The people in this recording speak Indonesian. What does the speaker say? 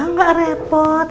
nggak gak repot